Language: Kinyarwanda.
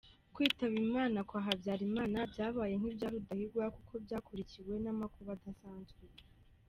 Kwitaba Imana kwa Habyarimana byabaye nk’ibya Rudahigwa kuko byakurikiwe n’amakuba adasanzwe.